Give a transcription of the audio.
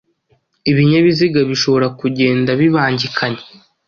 ibinyabiziga bishobora kugenda bibangikanye